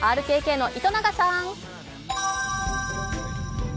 ＲＫＫの糸永さん。